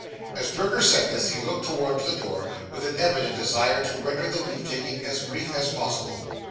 As Perker said this, he looked towards the door, with an evident desire to render the leave taking as brief as possible.